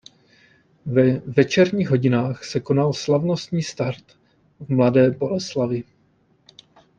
Ve večerních hodinách se konal slavnostní start v Mladé Boleslavi.